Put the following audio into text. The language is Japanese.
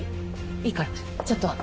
いいからちょっと。